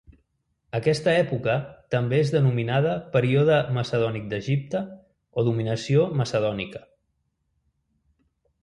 Aquesta època, també és denominada període macedònic d'Egipte o dominació macedònica.